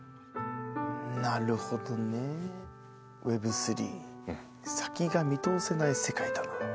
なるほどねＷｅｂ３先が見通せない世界だなあ。